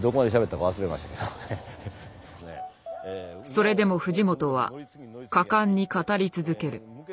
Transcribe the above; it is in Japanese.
それでも藤本は果敢に語り続ける。